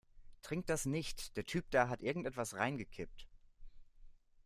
Trink das nicht, der Typ da hat irgendetwas reingekippt.